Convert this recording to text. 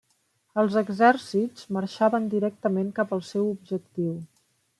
Els exèrcits marxaven directament cap al seu objectiu.